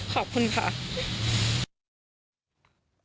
ขอบคุณค่ะ